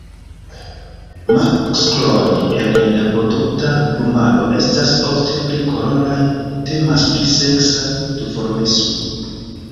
Maskloj en reprodukta plumaro estas ofte pli koloraj; temas pri seksa duformismo.